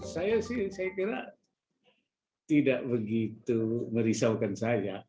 saya sih saya kira tidak begitu merisaukan saya